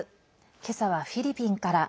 今朝はフィリピンから。